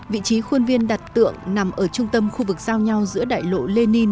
vị trí khuôn viên đặt tượng nằm ở trung tâm khu vực giao nhau giữa đại lộ lenin